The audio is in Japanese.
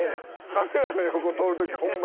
カメラの横通る時ホンマ